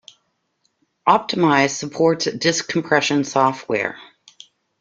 Optimize supports disk compression software.